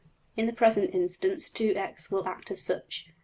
In the present instance $2x$ will act as such.